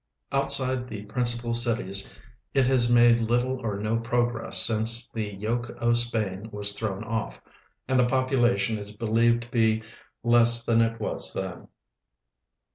Outside the principal cities it has made little or no progress since the yoke of Spain was thrown off, and the population is believed to Ije less than it was then.